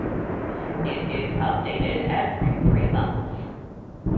It is updated every three months.